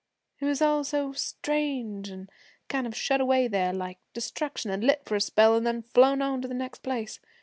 'It was all so strange an' kind of shut away there, like destruction had lit for a spell an' then flown on to the next place.